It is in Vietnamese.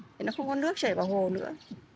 thì nó không có nước chảy vào hồ nữa